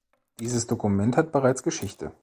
Dieses Dokument hat bereits Geschichte.